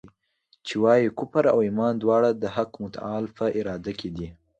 چي وايي کفر او ایمان دواړه د حق متعال په اراده کي دي.